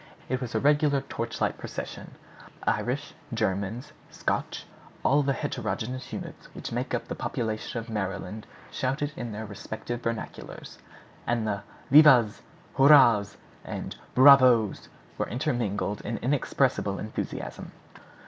It was a regular torchlight procession. Irish, Germans, French, Scotch, all the heterogeneous units which make up the population of Maryland shouted in their respective vernaculars; and the "vivas," "hurrahs," and "bravos" were intermingled in inexpressible enthusiasm.